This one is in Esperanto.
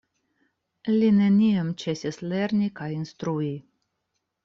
Li neniam ĉesis lerni kaj instrui.